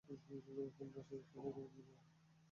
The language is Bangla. এখন বাসায় যাবেন কীভাবে?